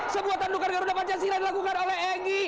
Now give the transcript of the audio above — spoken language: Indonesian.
sebuah tandukan garuda pancasila dilakukan oleh egy